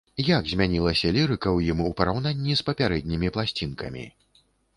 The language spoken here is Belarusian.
Як змянілася лірыка ў ім у параўнанні з папярэднімі пласцінкамі?